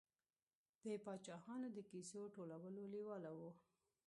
د پاچاهانو د کیسو ټولولو لېواله و.